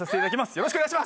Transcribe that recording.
よろしくお願いします。